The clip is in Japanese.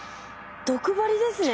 毒針ですね。